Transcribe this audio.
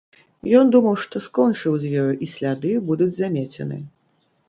Ён думаў, што скончыў з ёю і сляды будуць замецены.